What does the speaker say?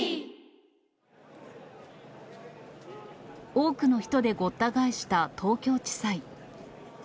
多くの人でごった返した東京地裁。